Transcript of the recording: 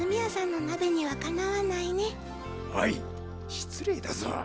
失礼だぞ。